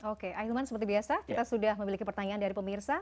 oke ahilman seperti biasa kita sudah memiliki pertanyaan dari pemirsa